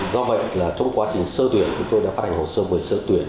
do vậy trong quá trình sơ tuyển chúng tôi đã phát hành hồ sơ với sơ tuyển